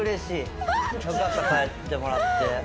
よかった変わってもらって。